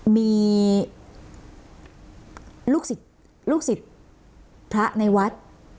มีลูกศิษย์พระในวัด